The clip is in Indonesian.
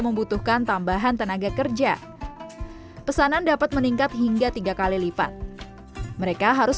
membutuhkan tambahan tenaga kerja pesanan dapat meningkat hingga tiga kali lipat mereka harus